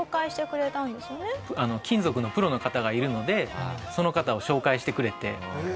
金属のプロの方がいるのでその方を紹介してくれて。